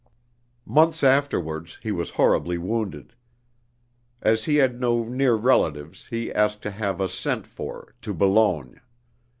"Months afterwards, he was horribly wounded. As he had no near relatives, he asked to have us sent for, to Boulogne.